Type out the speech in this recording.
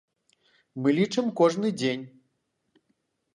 Мы лічым кожны дзень.